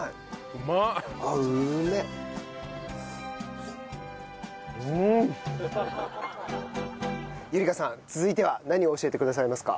うん！由莉香さん続いては何を教えてくださいますか？